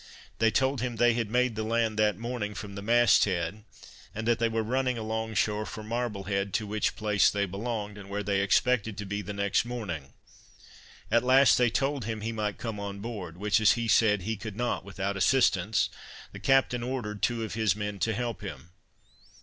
They told him they had made the land that morning from the mast head, and that they were running along shore for Marblehead, to which place they belonged, and where they expected to be the next morning. At last they told him he might come on board; which as he said, he could not without assistance, the captain ordered two of his men to help him.